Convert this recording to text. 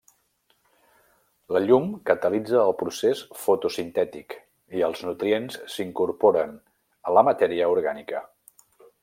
La llum catalitza el procés fotosintètic i els nutrients s'incorporen a la matèria orgànica.